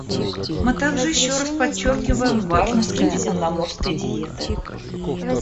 Мы также еще раз подчеркиваем важность средиземноморской диеты.